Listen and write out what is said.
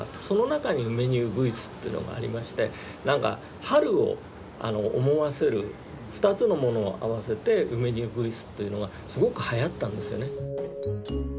その中に梅にうぐいすというのがありまして何か春を思わせる２つのものを合わせて「梅にうぐいす」というのがすごくはやったんですよね。